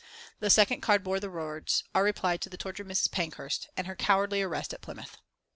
The second card bore the words: "Our reply to the torture of Mrs. Pankhurst, and her cowardly arrest at Plymouth."